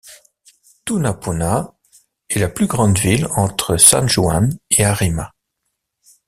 Tunapuna est la plus grande ville entre San Juan et Arima.